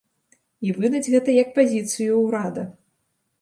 І выдаць гэта як пазіцыю ўрада.